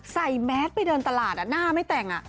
แมสไปเดินตลาดหน้าไม่แต่ง